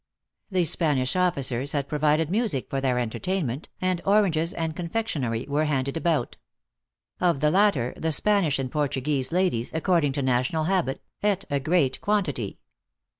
The Spanish officers had provided music for their enter tainment, and oranges and confectionary were handed about. Of the latter, the Spanish and Portuguese 13 298 THE ACTRESS IX HIGH LIFE. ladies, according to national habit, eat a great quan tity.